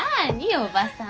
おばさん！